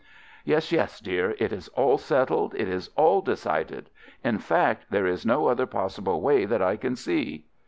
"Yes, yes, dear; it is all settled, it is all decided; in fact, there is no other possible way, that I can see."